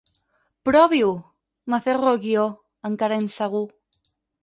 Provi-ho —m'aferro al guió, encara insegur.